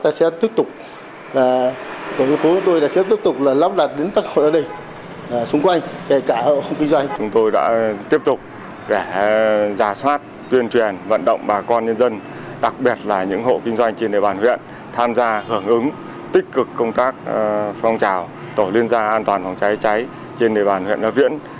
đặc biệt là những hộ kinh doanh trên đề bàn huyện tham gia hưởng ứng tích cực công tác phong trào tổ liên gia an toàn phòng cháy cháy trên đề bàn huyện nga viễn